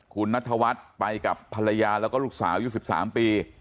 คุณนัทวัฒน์ไปกับภรรยาแล้วก็ลูกสาวยุค๑๓ปี